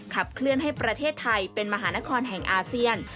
ขับเคลื่อนให้ประเทศไทยเป็นมหานครแห่งอาเซียน